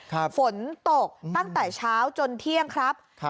ฝนตกตั้งแต่เช้าจนเที่ยงครับ